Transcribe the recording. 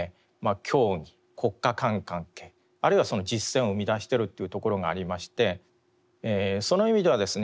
教義国家間関係あるいはその実践を生みだしているというところがありましてその意味ではですね